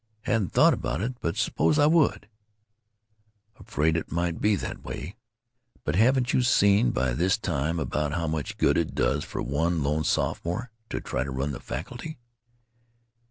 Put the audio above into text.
"Hadn't thought about it, but suppose I would." "Afraid it might be that way. But haven't you seen by this time about how much good it does for one lone sophomore to try and run the faculty?"